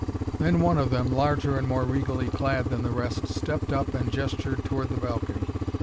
Then one of them, larger and more regally clad than the rest, stepped up and gestured toward the balcony.